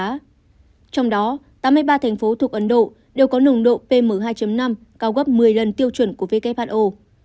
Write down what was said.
trong đó tám mươi ba thành phố thuộc ấn độ đều có nồng độ pm hai năm cao gấp một mươi lần tiêu chuẩn của who